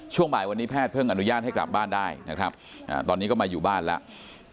ช่วงบ่ายวันนี้แพทย์เพิ่งอนุญาตให้กลับบ้านได้นะครับตอนนี้ก็มาอยู่บ้านแล้ว